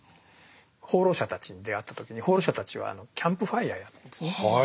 放浪者たちに出会った時に放浪者たちはキャンプファイヤーやってるんですね。